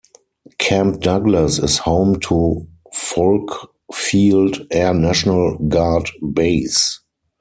Camp Douglas is home to Volk Field Air National Guard Base.